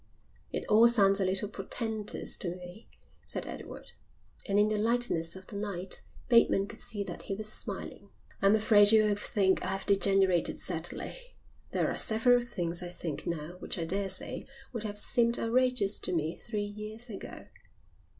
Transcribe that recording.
"It all sounds a little portentous to me," said Edward, and in the lightness of the night Bateman could see that he was smiling. "I'm afraid you'll think I've degenerated sadly. There are several things I think now which I daresay would have seemed outrageous to me three years ago."